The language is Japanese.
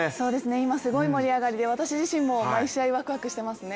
今、すごい盛り上がりで私自身も毎試合、ワクワクしてますね。